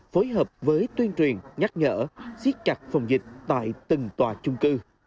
phối hợp với tuyên truyền nhắc nhở xiết chặt phòng dịch tại từng tòa trung cư